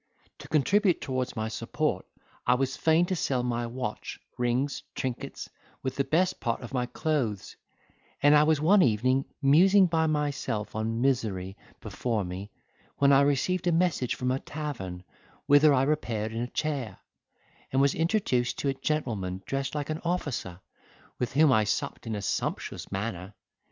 'To contribute towards my support I was fain to sell my watch, rings, trinkets, with the best part of my clothes; and I was one evening musing by myself on misery before me when I received a message from a tavern, whither I repaired in a chair, and was introduced to a gentleman dressed like an officer, with whom I supped in a sumptuous manner.